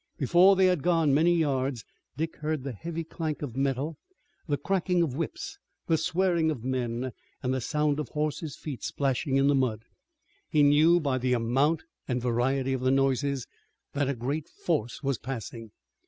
Before they had gone many yards Dick heard the heavy clank of metal, the cracking of whips, the swearing of men, and the sound of horses' feet splashing in the mud. He knew by the amount and variety of the noises that a great force was passing.